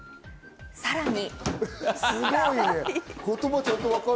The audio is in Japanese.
さらに。